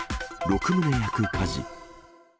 ６棟焼く火事。